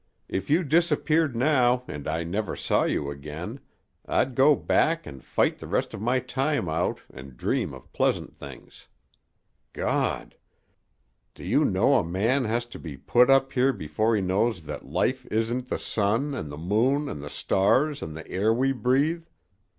If you disappeared now and I never saw you again I'd go back and fight the rest of my time out, an' dream of pleasant things. Gawd! Do you know a man has to be put up here before he knows that life isn't the sun an' the moon an' the stars an' the air we breathe.